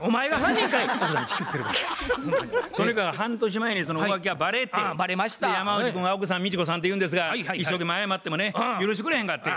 とにかく半年前にその浮気がバレて山内君は奥さん道子さんていうんですが一生懸命謝ってもね許してくれへんかってん。